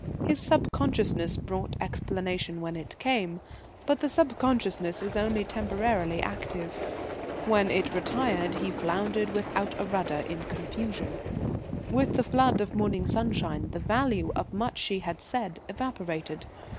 His Subconsciousness brought explanation when it came but the Subconsciousness is only temporarily active. When it retired he floundered without a rudder, in confusion. With the flood of morning sunshine the value of much she had said evaporated.